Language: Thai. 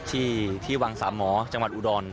ที่วังสามหมอจังหวัดอุดร